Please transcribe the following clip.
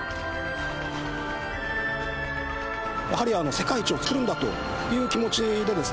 やはり世界一を造るんだという気持ち。